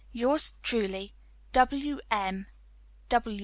"Yours truly, "WM.